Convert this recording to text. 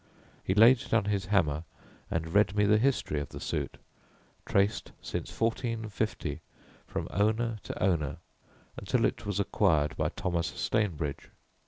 He laid down his hammer and read me the history of the suit, traced since 1450 from owner to owner until it was acquired by Thomas Stainbridge.